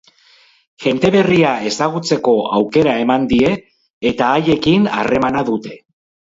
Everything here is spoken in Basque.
Jende berria ezagutzeko aukera eman die eta haiekin harremana dute.